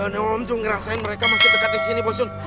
nih om jun ngerasain mereka masih dekat disini bosun